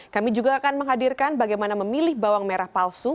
kami juga akan menghadirkan bagaimana memilih bawang merah palsu